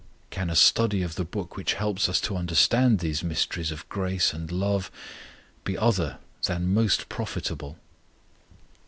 Can a study of the book which helps us to understand these mysteries of grace and love be other than most profitable?